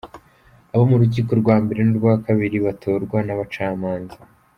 Abo mu rukiko rwa mbere n’urwa kabiri batorwa n’abacamanza.